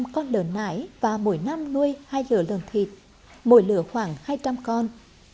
hai mươi năm con lợn nải và mỗi năm nuôi hai lửa lợn thịt mỗi lửa khoảng hai trăm linh con